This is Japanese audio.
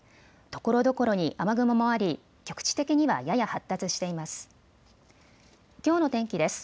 ところどころに雨雲もあり局地的にはやや発達しています。